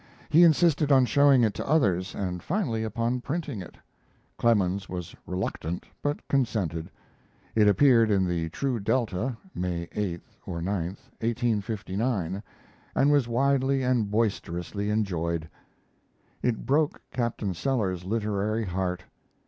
He insisted on showing it to others and finally upon printing it. Clemens was reluctant, but consented. It appeared in the True Delta (May 8 or 9, 1859), and was widely and boisterously enjoyed. It broke Captain Sellers's literary heart.